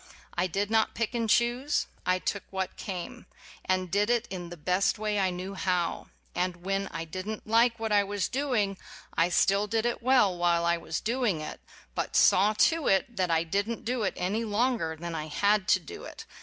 I did not pick and choose : I took what came, and did it in the best way I knew how; and when I did n't like what I was doing I still did it well while I was doing it, but I saw to it that I did n't do it any longer than I had to do it.